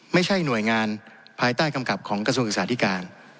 ไม่ใช่หน่วยงานภายใต้กำกับของกระทรวงศึกษาธิการ